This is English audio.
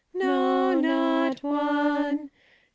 no, not one! 4.